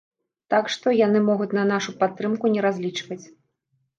Так што, яны могуць на нашу падтрымку не разлічваць.